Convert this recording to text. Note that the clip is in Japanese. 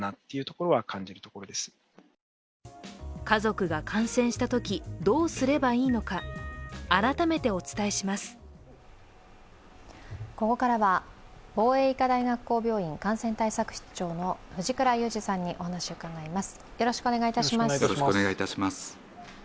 ここからは防衛医科大学校病院感染対策室長の藤倉雄二さんにお話を伺います。